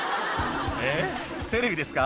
「えっテレビですか？